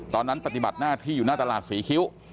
ปฏิบัติหน้าที่อยู่หน้าตลาดศรีคิ้ว